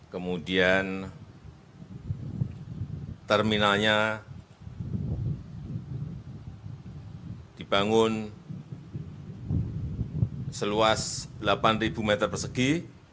kemudian terminalnya dibangun seluas delapan meter persegi